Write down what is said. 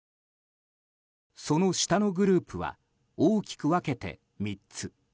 その下のグループは大きく分けて３つ。